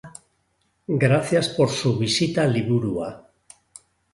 Gracias por su visita liburua.